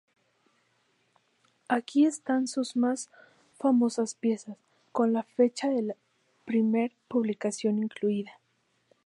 Aquí están sus más famosas piezas, con la fecha de la primera publicación incluida.